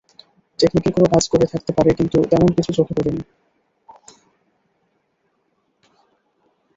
Technical কোনো কাজ করে থাকতে পারে, কিন্তু তেমন কিছু চোখে পড়েনি।